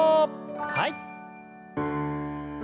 はい。